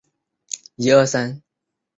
莫卧儿王朝的行政制度实行军事化。